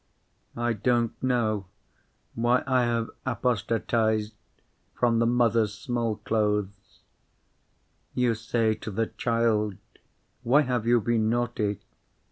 I don't know why I have apostatised from the Mothers' Small Clothes. You say to the child, Why have you been naughty?